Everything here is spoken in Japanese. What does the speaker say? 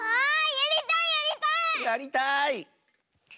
やりたい！